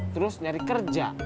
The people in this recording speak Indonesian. terus nyari kerja